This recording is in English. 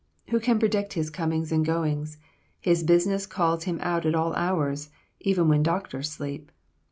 Who can predict his comings and goings? His business calls him out at all hours; even when doctors sleep.